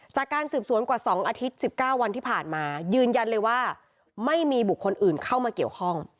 จากการสืบสวนกว่า๒อาทิตย์๑๙วันที่ผ่านมายืนยันเลยว่าไม่มีบุคคลอื่นเข้ามาเกี่ยวข้อง